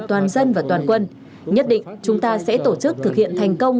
toàn dân và toàn quân nhất định chúng ta sẽ tổ chức thực hiện thành công